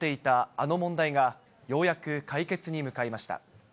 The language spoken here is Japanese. あの問題が、ようやく解決に向かいました。